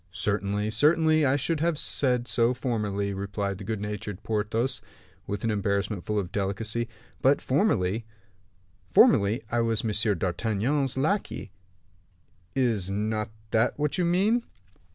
"Certainly, certainly, I should have said so formerly," replied the good natured Porthos, with an embarrassment full of delicacy; "but formerly " "Formerly I was M. d'Artagnan's lackey; is not that what you mean?"